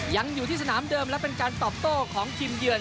ยังอยู่ที่สนามเดิมและเป็นการตอบโต้ของทีมเยือน